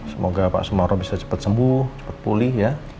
semoga pak sumarro bisa cepat sembuh cepat pulih ya